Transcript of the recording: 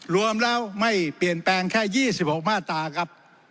รวมแล้วไม่เปลี่ยนแปลงแค่๒๖มาตราครับ